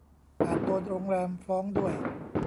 อาจโดนโรงแรมฟ้องด้วย